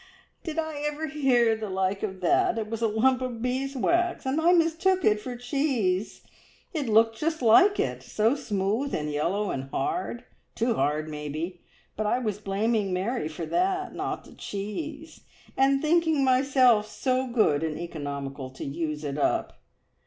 "Did ever I hear the like of that? It was a lump of beeswax, and I mistook it for cheese! It looked just like it so smooth, and yellow, and hard too hard, maybe but I was blaming Mary for that, not the cheese, and thinking myself so good and economical to use it up!